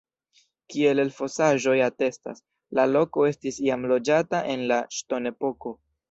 Kiel elfosaĵoj atestas, la loko estis jam loĝata en la ŝtonepoko.